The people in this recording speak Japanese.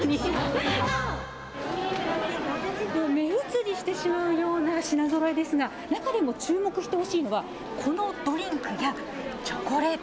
もう目移りしてしまうような品ぞろえですが、中でも注目してほしいのが、このドリンクやチョコレート。